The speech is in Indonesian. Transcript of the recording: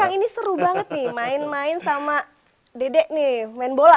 kang ini seru banget nih main main sama dedek nih main bola